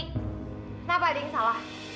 kenapa ding salah